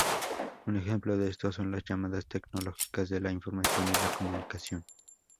Un ejemplo de esto son las llamadas tecnologías de la información y la comunicación.